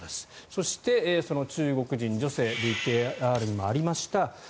そして、その中国人女性ＶＴＲにもありました